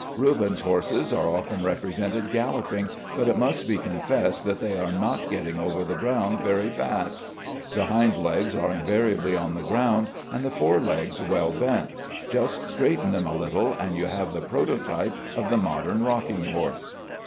Rubens' horses are often represented galloping, but it must be confessed that they are not getting over the ground very fast. The hind legs are invariably on the ground and the fore legs well bent; just straighten them a little, and you have the prototype of the modern rocking horse.